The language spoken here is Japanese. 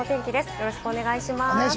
よろしくお願いします。